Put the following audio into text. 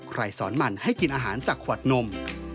สอนมันให้กินอาหารจากขวดนม